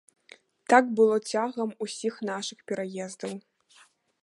Так было цягам усіх нашых пераездаў.